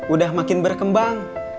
udah makin berkembang